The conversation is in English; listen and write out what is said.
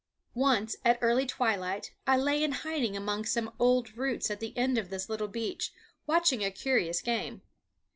Once, at early twilight, I lay in hiding among some old roots at the end of this little beach, watching a curious game.